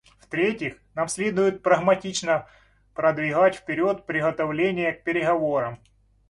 В-третьих, нам следует прагматично продвигать вперед приготовления к переговорам.